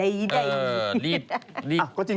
อ่ะนี่ละไงอ่ะเออรีบรีบแล้วเธอก็สรุปใด